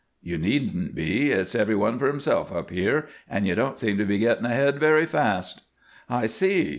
"You needn't be. It's every one for himself up here, and you don't seem to be getting ahead very fast." "I see.